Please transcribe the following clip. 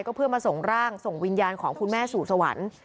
ก็เพื่อมาส่งร่างส่งวิญญาณของคุณแม่สู่สวรรค์